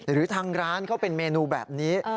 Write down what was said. หรือทางร้านเขาเป็นเมนูแบบนี้